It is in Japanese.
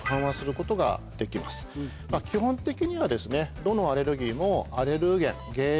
基本的にはどのアレルギーも。